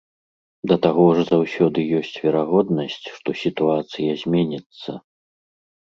Да таго ж заўсёды ёсць верагоднасць, што сітуацыя зменіцца.